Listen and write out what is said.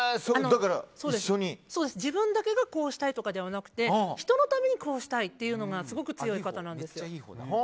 自分だけがこうしたいとかじゃなくて人のためにこうしたいっていうのがすごく強い方なんですよ。